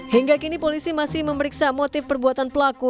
hingga kini polisi masih memeriksa motif perbuatan pelaku